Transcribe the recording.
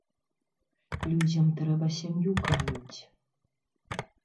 Людзям трэба сям'ю карміць.